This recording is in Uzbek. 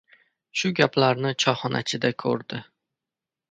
Shu gaplarni choyxonachida ko‘rdi.